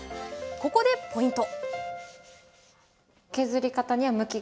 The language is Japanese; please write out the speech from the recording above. ここでポイント！